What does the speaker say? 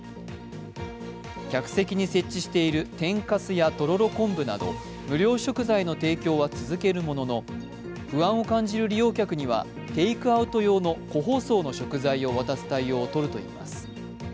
客席に設置している天かすやとろろ昆布など無料食材の提供は続けるものの不安を感じる利用客にはテイクアウト用の個包装の食材を渡す対応をとるといいます。